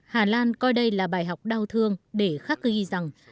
hà lan coi đây là bài học đau thương để khắc ghi rằng